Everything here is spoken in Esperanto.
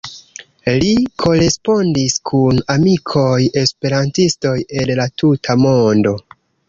Li korespondis kun amikoj-esperantistoj el la tuta mondo.